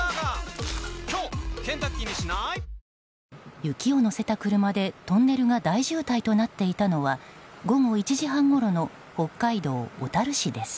雪を乗せた車で、トンネルが大渋滞となっていたのは午後１時半ごろの北海道小樽市です。